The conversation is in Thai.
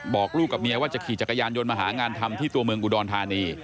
บอกลูกกับเมียว่าจะขี่จักรยานยนต์มาหางานทำที่ตัวเมืองอุดรธานี